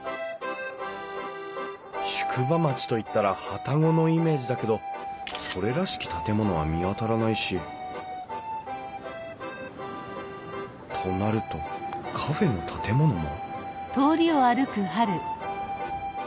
宿場町といったら旅籠のイメージだけどそれらしき建物は見当たらないしとなるとカフェの建物も？